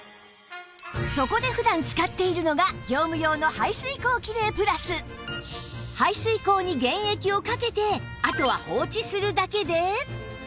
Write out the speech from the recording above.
そこで普段使っているのが業務用の排水口キレイプラス排水口に原液をかけてあとは放置するだけで